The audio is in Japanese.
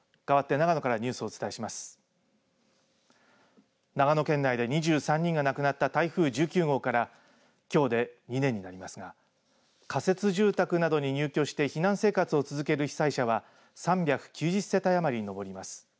長野県内で２３人が亡くなった台風１９号からきょうで２年になりますが仮設住宅などに入居して避難生活を続ける被災者は、３９０世帯余りにのぼります。